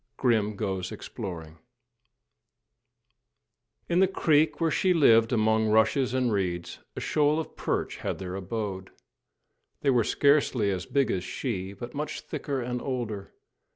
III: GRIM GOES EXPLORING In the creek where she lived among rushes and reeds, a shoal of perch had their abode. They were scarcely as big as she, but much thicker and older.